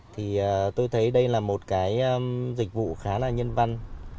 thì tôi thấy đây là một cái dịch vụ khá là nhân văn